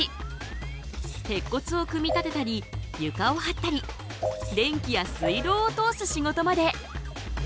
鉄骨を組み立てたり床を張ったり電気や水道を通す仕事まで。